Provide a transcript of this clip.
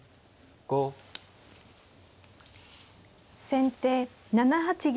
先手７八玉。